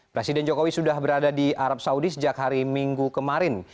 presiden jokowi sudah berada di arab saudi sejak hari minggu kemarin